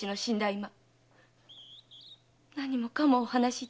今何もかもお話しいたしましょう。